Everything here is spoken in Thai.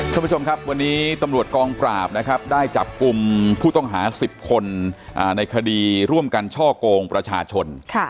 ท่านผู้ชมครับวันนี้ตำรวจกองปราบนะครับได้จับกลุ่มผู้ต้องหา๑๐คนในคดีร่วมกันช่อกงประชาชน